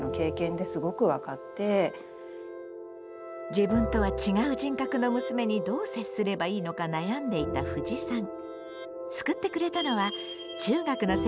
自分とは違う人格の娘にどう接すればいいのか悩んでいたふじさん。